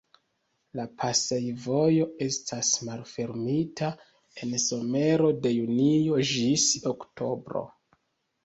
La pasejvojo estas malfermita en somero de junio ĝis oktobro.